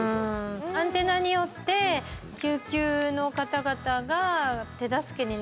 アンテナによって救急の方々が手助けになる。